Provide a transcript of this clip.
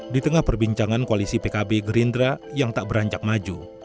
di tengah perbincangan koalisi pkb gerindra yang tak beranjak maju